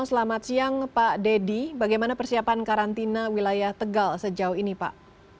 selamat siang pak deddy bagaimana persiapan karantina wilayah tegal sejauh ini pak